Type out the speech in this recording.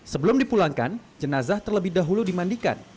sebelum dipulangkan jenazah terlebih dahulu dimandikan